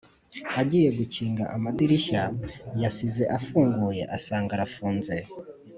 agiye gukinga amadirishya yasize afunguye asanga arafunze.